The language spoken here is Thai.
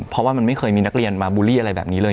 เพราะว่ามันไม่เคยมีนักเรียนมาบูลลี่อะไรแบบนี้เลย